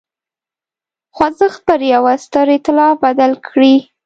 خوځښت پر یوه ستر اېتلاف بدل کړي.